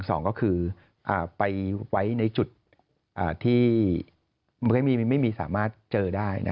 สองก็คือไปไว้ในจุดที่ไม่มีสามารถเจอได้